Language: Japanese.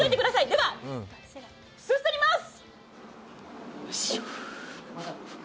では、すすります！